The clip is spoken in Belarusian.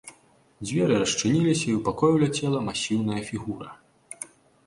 Дзверы расчыніліся і ў пакой уляцела массіўная фігура.